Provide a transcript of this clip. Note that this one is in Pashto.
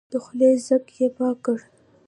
د خولې ځګ يې پاک کړ.